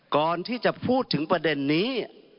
ก่อนที่จะพูดถึงประเด็นนี้